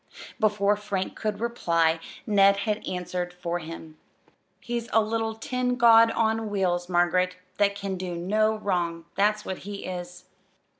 Before Frank could reply Ned had answered for him. "He's a little tin god on wheels, Margaret, that can do no wrong. That's what he is."